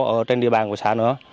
ở trên địa bàn của xã nữa